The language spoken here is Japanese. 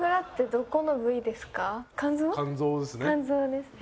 肝臓ですね。